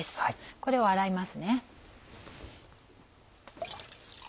これを使います。